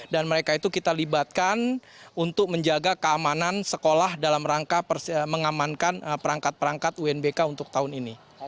dan mereka itu kita libatkan untuk menjaga keamanan sekolah dalam rangka mengamankan perangkat perangkat unbk untuk tahun ini